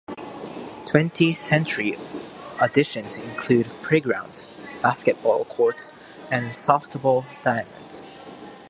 Twentieth century additions include playgrounds, basketball courts, and softball diamonds.